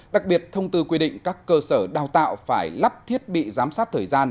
đặc biệt thông tư quy định các cơ sở đào tạo phải lắp thiết bị giám sát thời gian